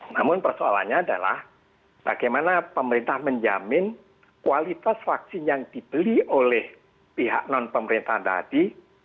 namun persoalannya adalah bagaimana pemerintah menjamin kualitas vaksin yang dibeli oleh pihak non pemerintah tadi